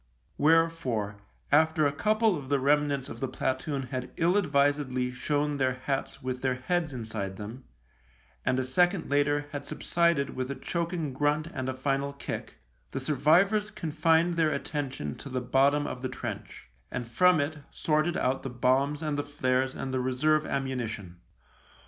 Wherefore, after a couple of the remnants of the platoon had ill advisedly shown their hats with their heads inside them, and a second later had subsided with a choking grunt and a final kick, the survivors confined their attention to the bottom of the trench, and from it sorted out the bombs and the flares and the reserve ammunition.